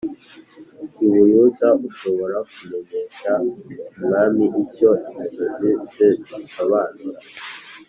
i Buyuda ushobora kumenyesha umwami icyo inzozi ze zisobanura